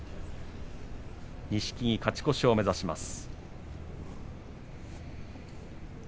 錦木は勝ち越しを目指します。